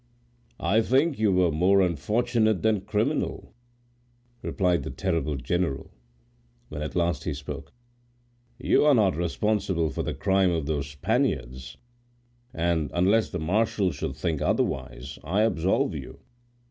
"I think you were more unfortunate than criminal," replied the terrible general, when at last he spoke. "You are not responsible for the crime of those Spaniards; and, unless the marshal should think otherwise, I absolve you."